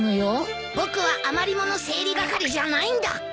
僕は余り物整理係じゃないんだ。